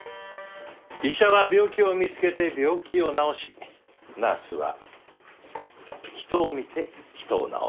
医者は病気を見つけて病気を治しナースは人を見て人を治す。